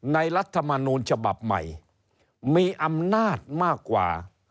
รัฐมนูลฉบับใหม่มีอำนาจมากกว่า